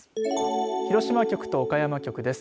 広島局と岡山局です。